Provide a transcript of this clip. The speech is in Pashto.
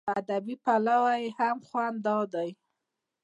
له ادبي پلوه یې هم خوند دا دی.